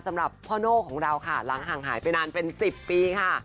สำหรับพ่อโน่ของเราค่ะหลังห่างหายไปนานเป็น๑๐ปีค่ะ